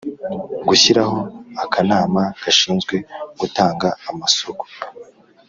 Gushyiraho akanama gashinzwe gutanga amasoko